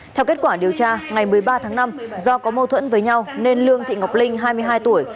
theo kết quả điều tra ngày một mươi ba tháng năm do có mâu thuẫn với nhau nên lương thị ngọc linh hai mươi hai tuổi